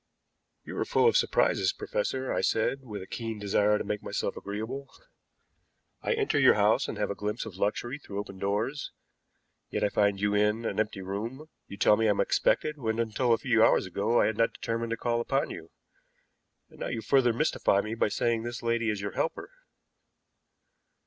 "You are full of surprises, professor," I said, with a keen desire to make myself agreeable. "I enter your house and have a glimpse of luxury through open doors, yet I find you in in an empty room; you tell me I am expected, when until a few hours ago I had not determined to call upon you; and now you further mystify me by saying this lady is your helper."